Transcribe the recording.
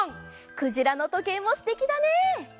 「くじらのとけい」もすてきだね！